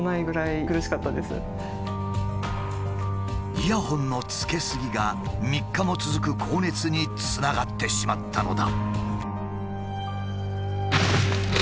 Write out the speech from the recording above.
イヤホンのつけ過ぎが３日も続く高熱につながってしまったのだ。